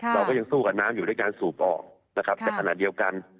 เราก็ยังสู้กับน้ำอยู่ด้วยการสูบออกนะครับแต่ขณะเดียวกัน